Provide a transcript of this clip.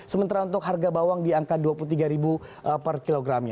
sementara untuk harga bawang di angka rp dua puluh tiga per kilogramnya